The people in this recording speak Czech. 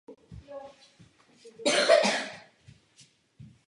Absolvoval obor politologie a veřejná správa na Haifské univerzitě.